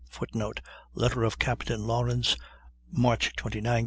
[Footnote: Letter of Captain Lawrence, March 29, 1813.